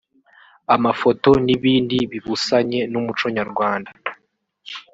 amafoto n’ibindi bibusanye n’umuco nyarwanda